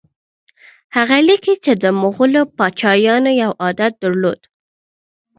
هغه لیکي چې د مغولو پاچایانو یو عادت درلود.